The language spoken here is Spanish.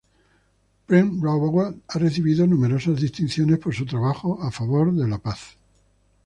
Prem Rawat ha recibido numerosas distinciones por su trabajo a favor de la paz.